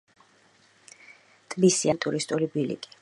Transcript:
ტბის სიახლოვეს გადის პოპულარული ტურისტული ბილიკი.